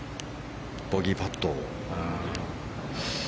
ボギーパット。